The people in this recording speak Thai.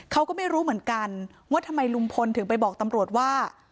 เขาก็ไม่รู้เหมือนกันว่าทำไมลุงพลถึงไปบอกตำรวจว่า